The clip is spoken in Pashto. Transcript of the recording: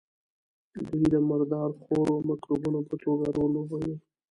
دوی د مردار خورو مکروبونو په توګه رول لوبوي.